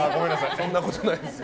そんなことないですよ。